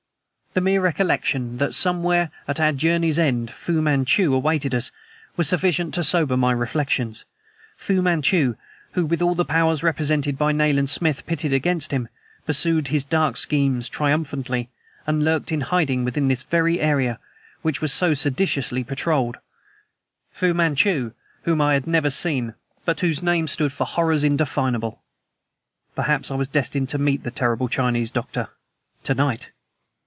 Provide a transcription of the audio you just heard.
The mere recollection that somewhere at our journey's end Fu Manchu awaited us was sufficient to sober my reflections Fu Manchu, who, with all the powers represented by Nayland Smith pitted against him, pursued his dark schemes triumphantly, and lurked in hiding within this very area which was so sedulously patrolled Fu Manchu, whom I had never seen, but whose name stood for horrors indefinable! Perhaps I was destined to meet the terrible Chinese doctor to night.